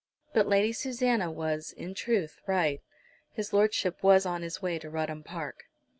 But Lady Susanna was, in truth, right. His Lordship was on his way to Rudham Park.